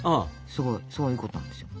すごいそういうことなんですよ。